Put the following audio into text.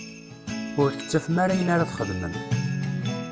Ur tettafem ara ayen ara txedmem.